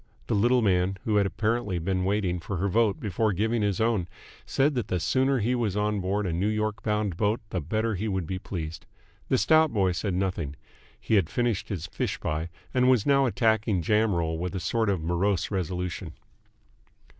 The little man, who had apparently been waiting for her vote before giving his own, said that the sooner he was on board a New York bound boat the better he would be pleased. The stout boy said nothing. He had finished his fish pie, and was now attacking jam roll with a sort of morose resolution.